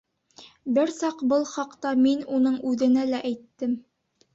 Бер саҡ был хаҡта мин уның үҙенә лә әйттем.